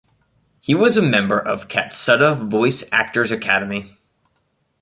He was a member of Katsuta Voice Actor's Academy.